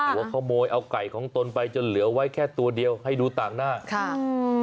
ว่าขโมยเอาไก่ของตนไปจนเหลือไว้แค่ตัวเดียวให้ดูต่างหน้าค่ะ